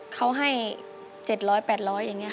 เขาให้๗๐๐๘๐๐อย่างนี้ค่ะ